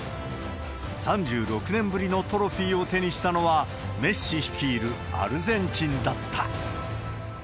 ３６年ぶりのトロフィーを手にしたのは、メッシ率いるアルゼンチンだった。